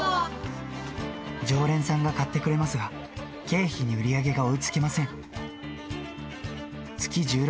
常連さんが買ってくれますが、経費に売り上げが追いつきません。